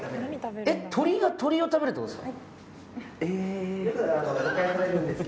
えっ鳥が鳥を食べるって事ですか。